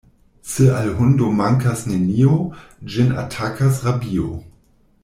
Se al hundo mankas nenio, ĝin atakas rabio.